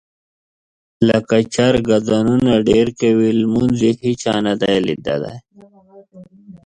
لکه چرګ اذانونه ډېر کوي لمونځ یې هېچا نه دي لیدلي.